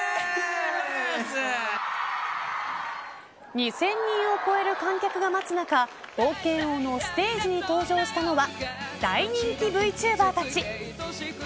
２０００人を超える観客が待つ中冒険王のステージに登場したのは大人気ＶＴｕｂｅｒたち。